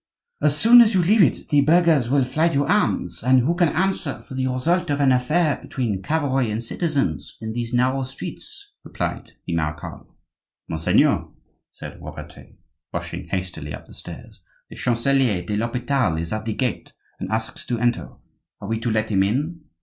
"As soon as you leave it the burghers will fly to arms; and who can answer for the result of an affair between cavalry and citizens in these narrow streets?" replied the marechal. "Monseigneur," said Robertet, rushing hastily up the stairs, "the Chancelier de l'Hopital is at the gate and asks to enter; are we to let him in?"